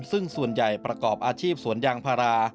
ซึ่งส่วนใหญ่ประกอบอาชีพสวนยางพารา